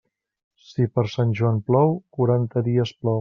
Si per Sant Joan plou, quaranta dies plou.